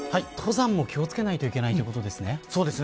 登山も気を付けなければいけないということですね。